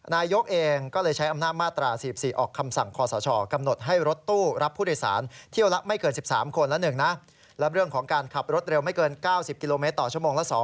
นายกเองก็เลยใช้อำนาจมาตรา๔๔ออกคำสั่งคอสช